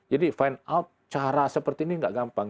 jadi find out cara seperti ini nggak gampang